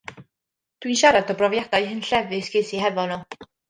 Dw i'n siarad o brofiadau hunllefus ges i hefo nhw.